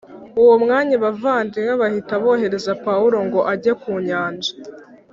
Uwo mwanya abavandimwe bahita bohereza Pawulo ngo ajye ku nyanja